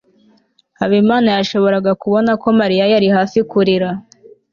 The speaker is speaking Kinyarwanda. habimana yashoboraga kubona ko mariya yari hafi kurira